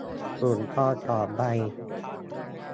ถุงทอง สอง ใบ